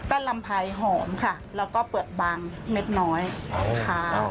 ลำไพรหอมค่ะแล้วก็เปลือกบางเม็ดน้อยขาว